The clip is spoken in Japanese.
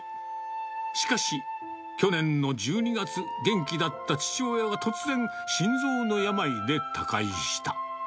しかし、去年の１２月、元気だった父親が突然、心臓の病で他界した。